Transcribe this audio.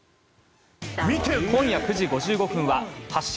今夜９時５５分は「発進！